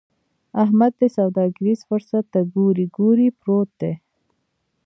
احمد دې سوداګريز فرصت ته کوړۍ کوړۍ پروت دی.